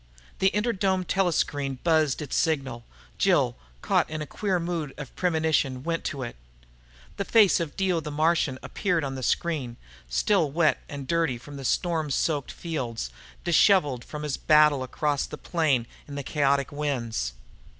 The inter dome telescreen buzzed its signal. Jill, caught in a queer mood of premonition, went to it. The face of Dio the Martian appeared on the screen, still wet and dirty from the storm soaked fields, disheveled from his battle across the plain in the chaotic winds.